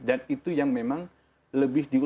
dan itu yang memang lebih diunggah